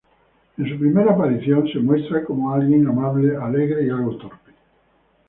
En su primera aparición se muestra como alguien amable, alegre y algo torpe.